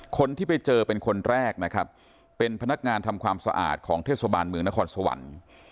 คนที่ไปเจอเป็นคนแรกนะครับเป็นพนักงานทำความสะอาดของเทศบาลเมืองนครสวรรค์